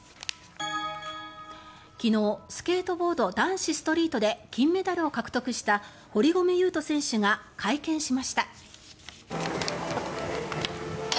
昨日、スケートボード男子ストリートで金メダルを獲得した堀米雄斗選手が会見しました。